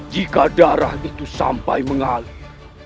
jika darah itu sampai mengalir